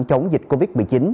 chống dịch covid một mươi chín